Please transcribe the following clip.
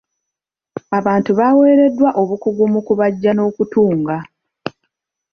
Abantu baweereddwa obukugu mu kubajja n'okutunga.